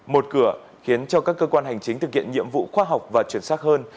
một cửa khiến cho các cơ quan hành chính thực hiện nhiệm vụ khoa học và chuyển xác hơn